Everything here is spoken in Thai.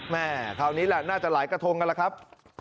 คราวนี้แหละน่าจะหลายกระทงกันล่ะครับ